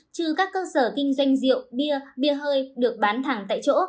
trừ các cơ sở kinh doanh rượu bia bia hơi được bán thẳng tại chỗ